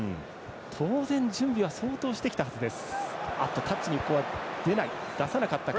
当然、準備は相当してきたはずです。